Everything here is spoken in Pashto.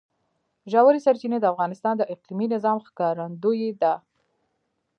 ژورې سرچینې د افغانستان د اقلیمي نظام ښکارندوی ده.